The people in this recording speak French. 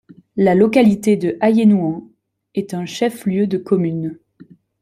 La localité de Ayénouan est un chef-lieu de commune.